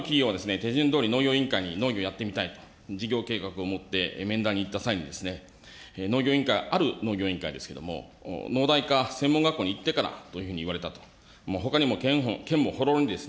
ある企業は手順どおり農業委員会に農業やってみたいと、事業計画を持って、面談に行った際に、農業委員会、ある農業委員会ですけれども、農大か、専門学校にいってからというふうに言われたと。